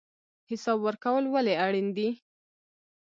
حساب ورکول ولې اړین دي؟